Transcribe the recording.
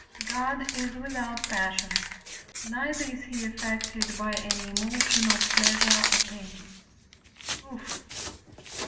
God is without passions, neither is he affected by any emotion of pleasure or pain. Proof.